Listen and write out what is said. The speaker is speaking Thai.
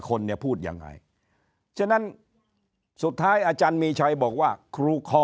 คนเนี่ยพูดยังไงฉะนั้นสุดท้ายอาจารย์มีชัยบอกว่าครูคอ